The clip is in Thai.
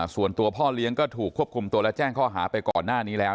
ส่วนตัวพ่อเลี้ยงก็ถูกควบคุมตัวและแจ้งข้อหาไปก่อนหน้านี้แล้ว